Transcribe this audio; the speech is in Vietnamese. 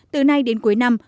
từ nay đến cuối năm